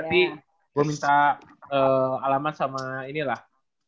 nanti gue minta alamat sama ini lah